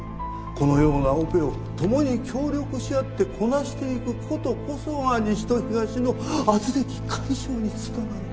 このようなオペを共に協力し合ってこなしていく事こそが西と東の軋轢解消に繋がる。